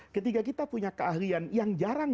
ketika kita punya keahlian yang jarang